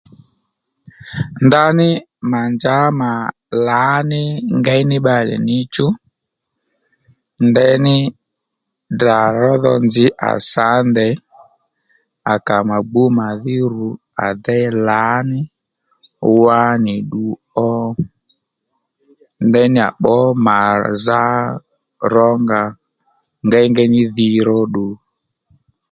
Ndaní mà njǎ mà lǎní ngéy ní bbalè ní chú ndeyní Ddrà ródho nzǐ à sǎnde à kà ma gbú màdhí ru à déy lǎní wá nì ddu ó ndeyní à gbǒ màzá rónga ngéyngéy ní dhi róddù